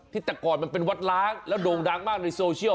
แต่ก่อนมันเป็นวัดล้างแล้วโด่งดังมากในโซเชียล